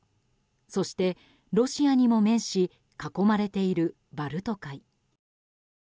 そして、ロシアにも面し囲まれているバルト海。